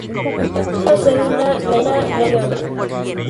No quiero hacer una reinvención.